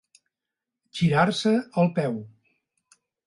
Girar-se el peu.